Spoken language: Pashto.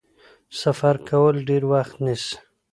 سفر کول ډیر وخت نیسي.